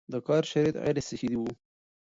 د کار شرایط غیر صحي وو